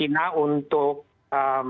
ini berarti penemuan dari china